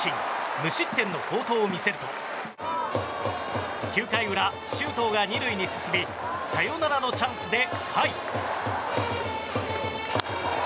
無失点の好投を見せると９回裏周東が２塁に進みサヨナラのチャンスで甲斐。